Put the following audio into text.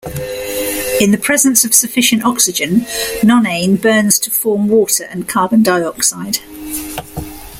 In the presence of sufficient oxygen, nonane burns to form water and carbon dioxide.